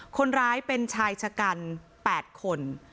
คนร้ายเป็นชายชะกัน๘คน